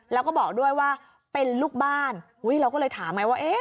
แล้วก็บอกด้วยว่าเป็นลูกบ้านอุ้ยเราก็เลยถามไงว่าเอ๊ะ